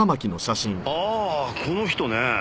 ああこの人ね。